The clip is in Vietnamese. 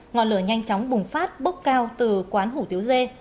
ngọn lửa nhanh chóng bùng phát bốc cao từ quán hủ tiếu dê